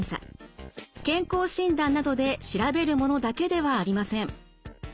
健康診断などで調べるものだけではありません。